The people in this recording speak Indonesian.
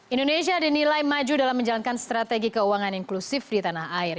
indonesia dinilai maju dalam menjalankan strategi keuangan inklusif di tanah air